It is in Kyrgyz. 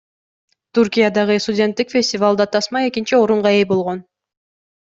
Түркиядагы студенттик фестивалда тасма экинчи орунга ээ болгон.